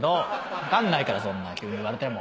分かんないから急に言われても。